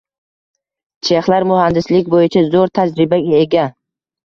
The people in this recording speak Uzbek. Chexlar muhandislik boʻyicha zoʻr tajribaga ega.